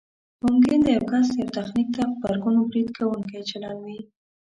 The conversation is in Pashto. ممکن د یو کس یوه تخنیک ته غبرګون برید کوونکی چلند وي